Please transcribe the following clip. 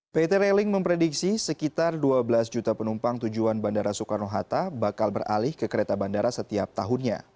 pt railing memprediksi sekitar dua belas juta penumpang tujuan bandara soekarno hatta bakal beralih ke kereta bandara setiap tahunnya